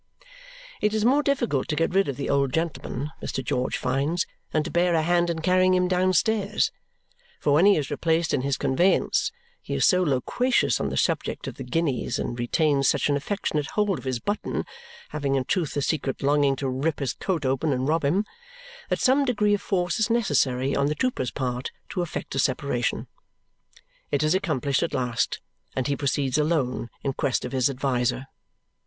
It is more difficult to get rid of the old gentleman, Mr. George finds, than to bear a hand in carrying him downstairs, for when he is replaced in his conveyance, he is so loquacious on the subject of the guineas and retains such an affectionate hold of his button having, in truth, a secret longing to rip his coat open and rob him that some degree of force is necessary on the trooper's part to effect a separation. It is accomplished at last, and he proceeds alone in quest of his adviser.